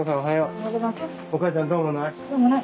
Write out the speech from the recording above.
お母ちゃんどうもない？